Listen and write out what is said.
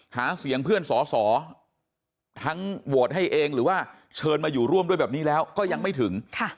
หาเสียงเพื่อนสอสอทั้งโหวตให้เองหรือว่าเชิญมาอยู่ร่วมด้วยแบบนี้แล้วก็ยังไม่ถึง